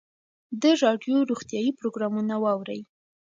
د راډیو روغتیایي پروګرامونه واورئ.